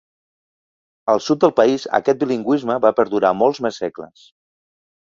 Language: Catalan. Al sud del país aquest bilingüisme va perdurar molts més segles.